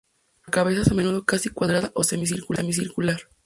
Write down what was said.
La cabeza es a menudo casi cuadrada o semicircular.